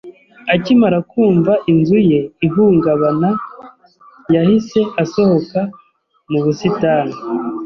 Akimara kumva inzu ye ihungabana, yahise asohoka mu busitani.